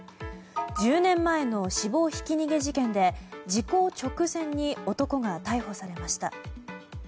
１０年前の死亡ひき逃げ事件で時効直前に男が逮捕されました。